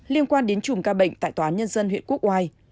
liên quan đến chùm ca bệnh tại tòa án nhân dân huyện quốc oai